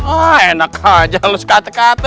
ah enak aja lu suka tegak tegak